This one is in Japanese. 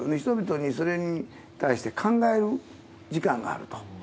人々にそれに対して考える時間があると。